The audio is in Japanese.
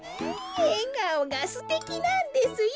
えがおがすてきなんですよ。